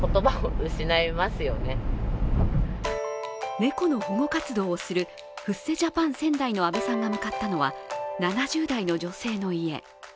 猫の保護活動をするフッセジャパン仙台の阿部さんが向かったのは７０代の女性の家。